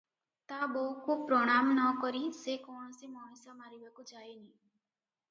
ତା ବୋଉକୁ ପ୍ରଣାମ ନକରି ସେ କୌଣସି ମଣିଷ ମାରିବାକୁ ଯାଏନି